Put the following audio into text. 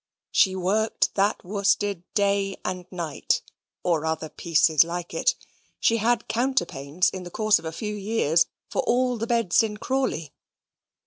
She worked that worsted day and night, or other pieces like it. She had counterpanes in the course of a few years to all the beds in Crawley.